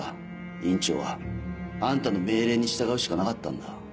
院長はあんたの命令に従うしかなかったんだ。